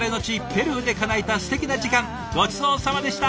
ペルーでかなえたすてきな時間ごちそうさまでした！